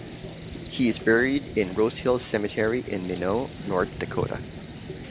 He is buried in Rosehill Cemetery in Minot, North Dakota.